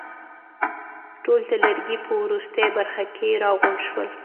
ټول د لرګي په وروستۍ برخه کې راغونډ شول.